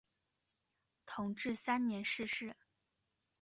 同治三年逝世。